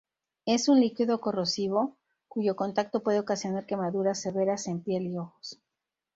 Es un líquido corrosivo, cuyo contacto puede ocasionar quemaduras severas en piel y ojos.